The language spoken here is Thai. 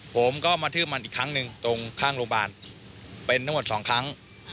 ผมก็มาทืบมันอีกครั้งหนึ่งตรงข้างโรงพยาบาลเป็นทั้งหมดสองครั้ง